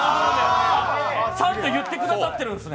ちゃんと言ってくださってるんですね。